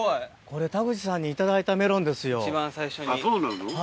これ田口さんに頂いたメロンですよ。